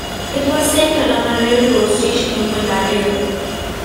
It was centered on a railroad station opened that year.